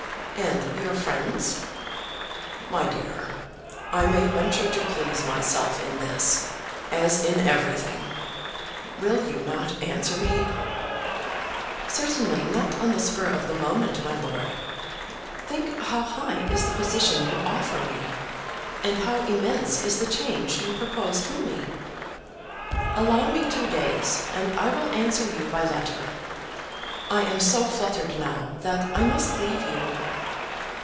"And your friends?" "My dear, I may venture to please myself in this, as in everything. Will you not answer me?" "Certainly not on the spur of the moment, my lord. Think how high is the position you offer me, and how immense is the change you propose to me. Allow me two days, and I will answer you by letter. I am so fluttered now that I must leave you."